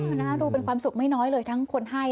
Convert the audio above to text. อืมอื้อน่ารูเป็นความสุขไม่น้อยเลยทั้งคนให้